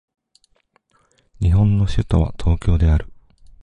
日本の首都は東京である